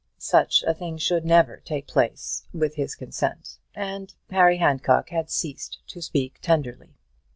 Such a thing should never take place with his consent, and Harry Handcock had ceased to speak tenderly.